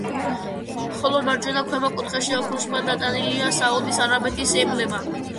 ხოლო მარჯვენა ქვემო კუთხეში ოქროსფრად დატანილია საუდის არაბეთის ემბლემა.